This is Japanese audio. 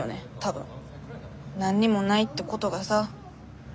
何にもないってことがさ。